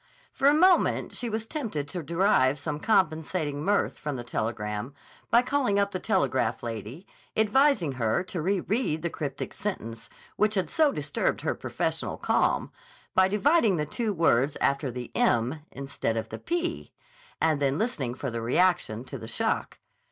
For a moment she was tempted to derive some compensating mirth from the telegram by calling up the telegraph lady, advising her to re read the cryptic sentence which had so disturbed her professional calm, by dividing the two words after the m instead of the p—and then listening for the reaction to the shock.